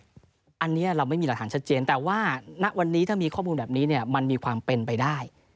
อันนี้เราไม่มีหลักฐานชัดเจนแต่ว่าณวันนี้ถ้ามีข้อมูลแบบนี้เนี่ยมันมีความเป็นไปได้